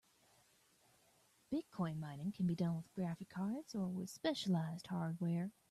Bitcoin mining can be done with graphic cards or with specialized hardware.